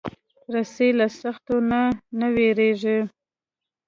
رسۍ له سختیو نه نه وېرېږي.